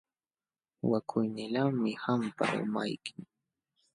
Wakuynilaqmi qampa umayki.